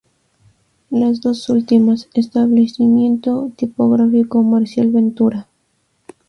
Las dos últimas, Establecimiento Tipográfico Marcial Ventura.